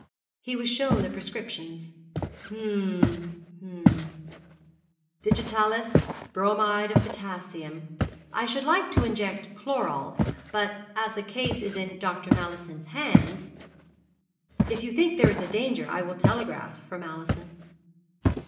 He was shown the prescriptions. 'Hum hum digitalis bromide of potassium. I should like to inject chloral; but as the case is in Dr. Mallison's hands ' 'If you think there is danger I will telegraph for Mallison.'